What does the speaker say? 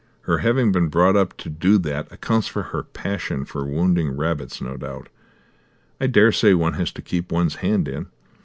Her having been brought up to do that accounts for her passion for wounding rabbits, no doubt. I daresay one has to keep one's hand in.